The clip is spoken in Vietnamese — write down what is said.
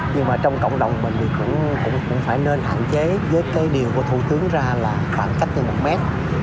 nhưng mà trong cộng đồng bệnh thì cũng phải nên hạn chế với cái điều của thủ tướng ra là khoảng cách trên một mét